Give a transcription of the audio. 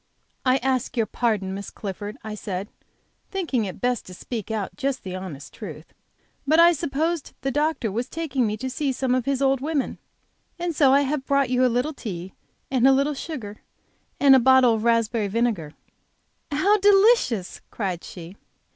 "I ask your pardon, Miss Clifford," I said, thinking it best to speak out just the honest truth, "but I supposed the doctor was taking me to see some of his old women, and so I have brought you a little tea, and a little sugar, and a bottle of raspberry vinegar!" "How delicious!" cried she.